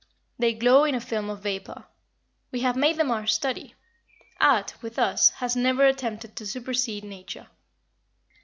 They glow in a film of vapor. We have made them our study. Art, with us, has never attempted to supercede nature."